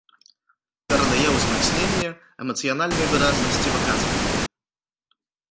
Перадае ўзмацненне эмацыянальнай выразнасці выказвання.